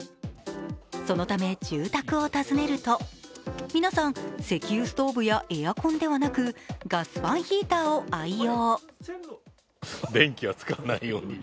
そのため住宅を訪ねると、皆さん、石油ストーブやエアコンではなく、ガスファンヒーターを愛用。